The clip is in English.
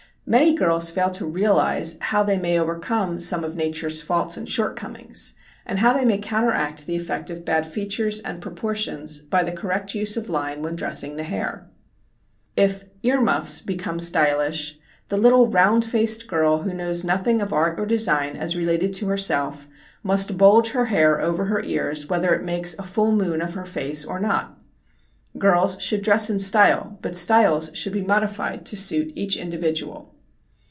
Many girls fail to realize how they may overcome some of Nature's faults and shortcomings and how they may counteract the effect of bad features and proportions by the correct use of line when dressing the hair. If "ear muffs" become stylish, the little round faced girl who knows nothing of art or design as related to herself must bulge her hair over her ears whether it makes a full moon of her face or not. Girls should dress in style but styles should be modified to suit each individual.